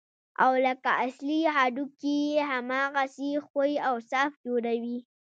او لکه اصلي هډوکي يې هماغسې ښوى او صاف جوړوي.